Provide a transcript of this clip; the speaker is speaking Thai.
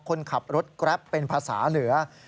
คนขับรถแกรปเป็นภาษาเหนือ